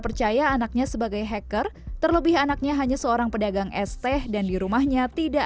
percaya anaknya sebagai hacker terlebih anaknya hanya seorang pedagang st dan di rumahnya tidak